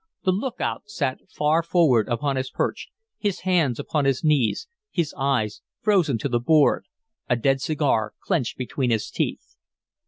The lookout sat far forward upon his perch, his hands upon his knees, his eyes frozen to the board, a dead cigar clenched between his teeth.